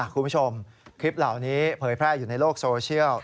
คุณผู้ชมคลิปเหล่านี้เผยแพร่อยู่ในโลกโซเชียล